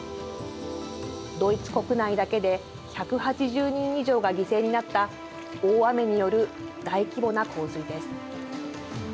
ドイツ国内だけで１８０人以上が犠牲になった大雨による大規模な洪水です。